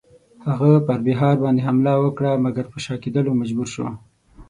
هغه پر بیهار باندی حمله وکړه مګر پر شا کېدلو مجبور شو.